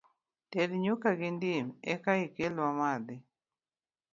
Ted nyuka gi dim eka ikel wamadhi.